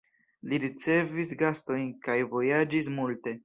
Li ricevis gastojn kaj vojaĝis multe.